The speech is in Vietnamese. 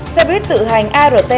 xe buýt tự hành art